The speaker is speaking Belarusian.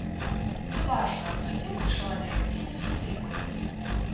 Не важна, судзімы чалавек, ці не судзімы.